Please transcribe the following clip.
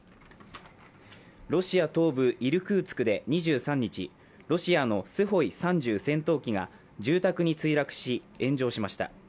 ロシア東部イルクーツクで２３日、ロシアのスホイ３０戦闘機が住宅に墜落し、炎上しました。